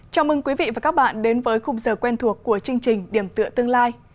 chào mừng quý vị và các bạn đến với khung giờ quen thuộc của chương trình điểm tựa tương lai